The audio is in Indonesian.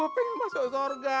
gue pengen masuk surga